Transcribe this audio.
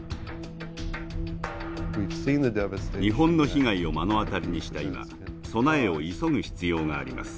日本の被害を目の当たりにした今備えを急ぐ必要があります。